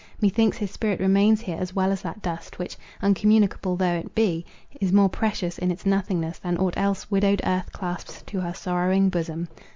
Methinks his spirit remains here as well as that dust, which, uncommunicable though it be, is more precious in its nothingness than aught else widowed earth clasps to her sorrowing bosom.